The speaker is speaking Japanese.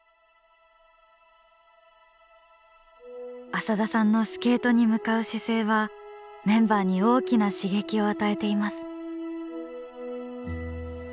浅田さんのスケートに向かう姿勢はメンバーに大きな刺激を与えています。